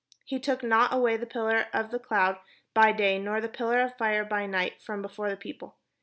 He took not away the pillar of the cloud by day, nor the pillar of fire by night, from before the people.